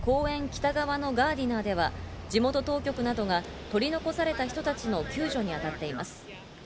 北側のガーディナーでは地元当局などが取り残された人たちの救助に当たっています。